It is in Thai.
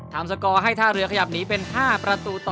สกอร์ให้ท่าเรือขยับหนีเป็น๕ประตูต่อ